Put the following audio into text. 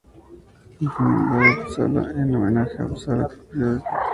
Fue nombrado Uppsala en homenaje a Upsala ciudad de Suecia.